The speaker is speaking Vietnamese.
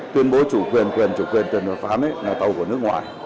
tuyên bố chủ quyền quyền chủ quyền quyền hợp pháp là tàu của nước ngoài